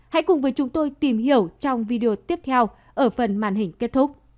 hãy cùng với chúng tôi tìm hiểu trong video tiếp theo ở phần màn hình kết thúc